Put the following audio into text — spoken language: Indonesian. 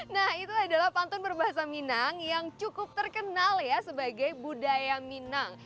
nah itu adalah pantun berbahasa minang yang cukup terkenal ya sebagai budaya minang